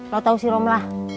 lo tau si romlah